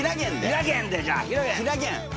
ひらげん。